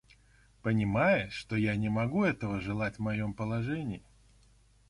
Понимаешь, что я не могу этого желать в моем положении.